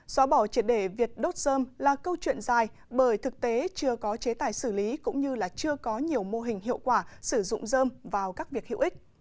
xóa bỏ triệt để việc đốt dơm là câu chuyện dài bởi thực tế chưa có chế tài xử lý cũng như chưa có nhiều mô hình hiệu quả sử dụng dơm vào các việc hữu ích